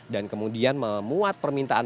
dan kemudian memuat permintaan permintaan